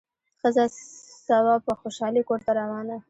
ښځه سوه په خوشالي کورته روانه